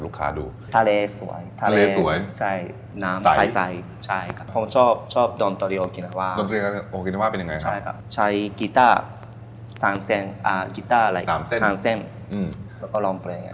กิตาอะไร๓เซ็นต์แล้วก็ร้องเพลง